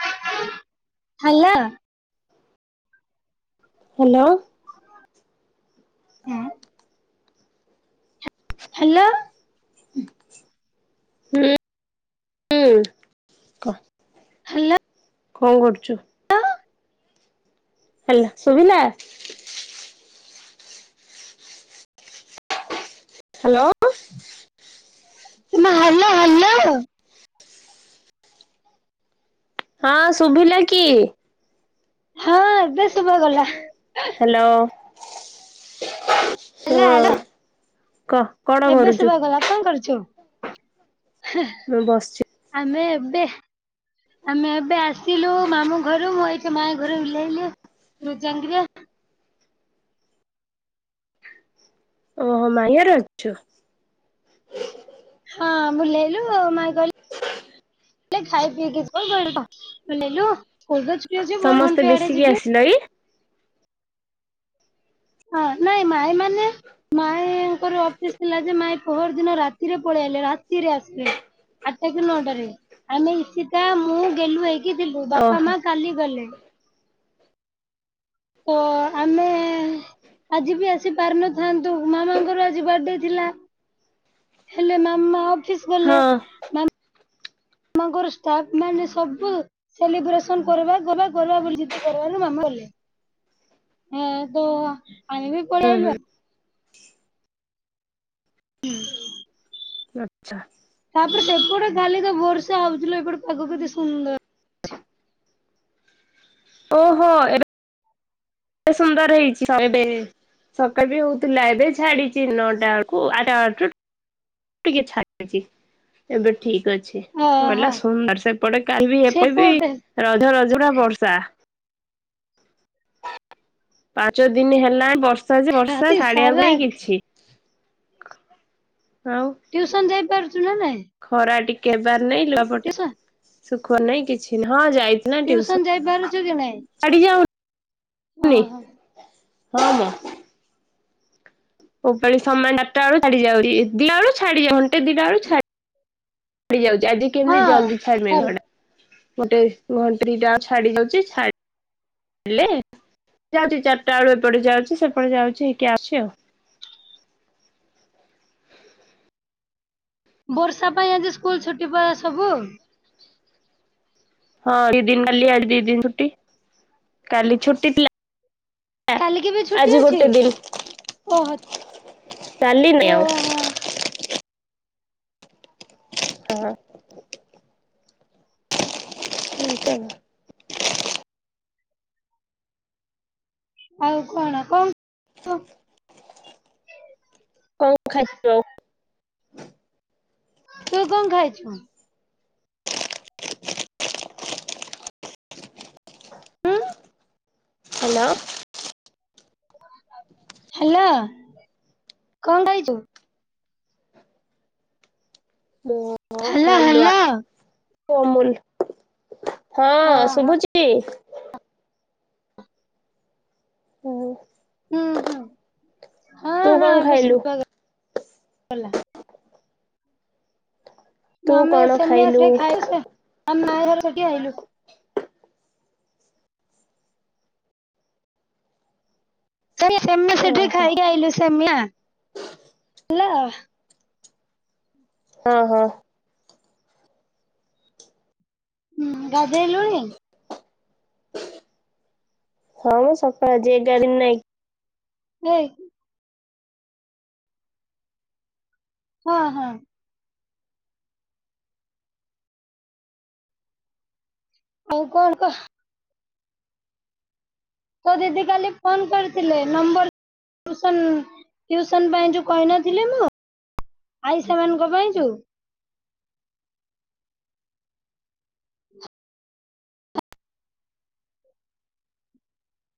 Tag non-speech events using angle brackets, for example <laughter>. <unintelligible> Hello! Hello! ହୁଁ। Hello! ହୁଁ, କହ। ହାଲୋ! କଣ କରୁଛୁ? ହାଲୋ, ଶୁଭିଲା? ହାଲୋ! <unintelligible> Hello, hello! ହଁ, ଶୁଭିଲା କି? ହଁ, ଏବେ ଶୁଭା ଗଲା। ହାଲୋ, ହାଲୋ ହାଲୋ ହଁ, କହ କଣ କରୁଛୁ? <unintelligible> କଣ କରୁଛୁ? <inaudible> ମୁଁ ବସିଛି। ଆମେ ଏବେ ଆମେ ଏବେ ଆସିଲୁ ମାମୁଁ ଘରୁ ମୁଁ ଏଇଠି ମାଇଁ ଘରୁ ଉଲ୍ହେଇଲି। <inaudible> ଓହୋଃ, ମାଇଁ ଘରେ ଅଛୁ? ହଁ, ଉଲ୍ହେଇଲୁ ମାଇ କହି <unintelligible> ନାଈ। ହଁ, ନାଇଁ, ମାଇଁ ମାନେ ମାଇଁଙ୍କର ଅଫିସ ଥିଲା ଯେ ମାଇଁ ପହର ଦିନ ରାତିରେ ପଳେଇଆଇଲେ, ରାତିରେ ଆସିଲେ। ଆଠଟା କି ନଅଟାରେ, ଆମେ ଇସିତା ମୁଁ ଗେଲୁ ହେଇକି ଥିଲୁ ବାପା ଓହୋ ମା କାଲି ଗଲେ। ତ ଆମେ ଆଜି ବି ଆସି ପାରିନଥାନ୍ତୁ, ମାମାଙ୍କର ଆଜି ବାର୍ଥଡେ ଥିଲା। ହେଲେ ମାମା ଅଫିସ ହଁ ଗଲେ। ମାମାଙ୍କର ଷ୍ଟାଫ୍ ମାନେ ସବୁ ସେଲିବ୍ରେସନ କରିବା କରିବା କରିବା ବୋଲିି ଜିଦି କରିବାରୁ ମାମା କଲେ। ହେ ତ ଆମେ ବି ହୁଁ ପଳେଇଆଲୁ ହୁଁ ଆ ହୁଁ। ଆଚ୍ଛା। ତାପରେ ସେପଟେ ଖାଲି ତ ବର୍ଷା ହଉଛି ଲୋ ଏପଟେ ପାଗ କେତେ ସୁନ୍ଦର। ଓହୋଃ, ଏବେ ଏତେ ସୁନ୍ଦର ହେଇଛି <unintelligible> ସକାଳେ ବି ହଉଥିଲା ଏବେ ଛାଡିଛି ନଅଟା ବେଳକୁ, ଆ <unintelligible> ଟିକେ ଛାଟୁଛି। ଏବେ ଠିକ ଅଛି। ଓହୋ ବୋଲା ସୁନ୍ଦ ସେପଟେ କାହିବି ଏପ ବି ସେପଟେ ରଜ ରଜ ଟା ବର୍ଷା। ପାଞ୍ଚ ଦିନ ହେଲାଁ ବର୍ଷା ଯେ ବର୍ଷା ରାତି ଛାଡିବାକୁ ସାରା ପାଇଁ କିଛି ଆଉ ଟ୍ୟୁସନ ଯାଇପାରୁଛୁ ନା ନାଇଁ? ଖରା ଟିକେ ହେବାର ନାଇଁ ଲୁଆପଟା ଟିଉସନ ସୁଖଅର ନାଇଁ କିଛି ହଁ ଯାଇ ଟ୍ୟୁସନ ଯାଇପାରୁଛୁ କି ନାଇଁ? ଆଡିଯ ଓହୋ ହଁବା ଉପଳି ସମୟ ବାରଟା ବେଳୁ ଛାଡି ଯାଉଛି। ଦିନଆଳୁ ଛାଡି ଯାଉ ଘଣ୍ଟେ ଦିଟା ଛା ଛାଡିଯାଉଛି ଆଜି କେମିତି ହଁ ଜଲ୍ଦି ଛାଡ ସରି ମେଘଟା ଗୋଟେ ଘଣ୍ଟେ ଦିଟା ଛାଡି ଯାଉଛି ଛାଡ ହେଲେ ଯାଉଛି ଚାରିଟା ବେଳୁ ଏପଟେ ଯାଉଛି ସେପଟେ ଯାଉଛି ହେଇକି ଆସୁଛି ଆଉ। ବର୍ଷା ପାଇଁ ଆଜି ସ୍କୁଲ ଛୁଟି ପରା ସବୁ! ହଁ ଦି ଦିନ କାଲି ଆ ଦି ଦିନ ଛୁଟି କାଲି ଛୁଟି ଥିଲା। ଆ କାଲିକି ବି ଛୁଟି ଆଜି ଅଛି? ଗୋଟେ ଦିନ। ଓହୋ ଚାଲିିନି ଆଉ ଓହୋ ହଁ ହଁ ଠ <unintelligible> ଆଉ କଣ କଣ କଣ ଖାଇଛ? ତୁ କଣ ଖାଇଛୁ? ହ୍ୟାଲୋ ହ୍ୟାଲୋ କଣ ଖାହିଛୁ? ମୋ ଓ ହାଲୋ ହାଲୁଆ ହାଲୋ ଅମୂଲ ହଁ ଓହୋ ଶୁଭୁଛି। ଟି ହୁଁ ହୁଁ ହୁଁ ହଁ ତୁ ହଁ କଣ ଏବେ ଖାଇଲୁ? ଶୁଭାଗଲା। ତୁ ଆମେ କଣ ସେମିଆ ଖାଇଲୁ ଖି ଖାଇଛ ଆ ମା ଘର ହେରିକି ଆଇଲୁ। ସେଡିଆ ସେମିଆ ସେଠି ଓହୋ ଖାଇକି ଆଇଲୁ ସେମିଆ। ହେଲା ହଁ ହଁ ହୁଁ ଗାଧେଇ ଲୁଣି। ହଁ ମୁଁ ସକାଳେ ଆଜି ଏଗାରିଂ ନାଇଁ। ଏ ଇ। ହଁ ହଁ। ଆଉ କଣ କହ? ତୋ ଦିଦି କାଲି ଫୋନ କରିଥିଲେ ନମ୍ବର ଟ୍ୟୁସନ ଟ୍ୟୁସନ ପାଇଁ ଯୋଉ କହିନଥିଲି ମୁଁ ଆଇ ସେମାନଙ୍କ ପାଇଁଛୁ।